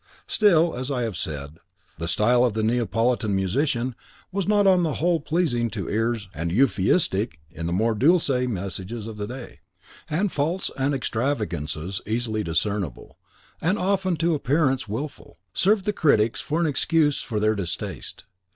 * Still, as I have said, the style of the Neapolitan musician was not on the whole pleasing to ears grown nice and euphuistic in the more dulcet melodies of the day; and faults and extravagances easily discernible, and often to appearance wilful, served the critics for an excuse for their distaste.